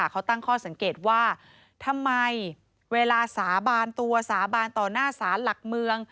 เขาตั้งข้อสังเกตว่าทำไมเวลาสาบานตัวสาบานต่อหน้าศาลหลักเมือง